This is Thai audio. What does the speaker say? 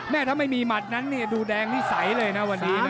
ถ้าไม่มีหมัดนั้นเนี่ยดูแดงนิสัยเลยนะวันนี้นะ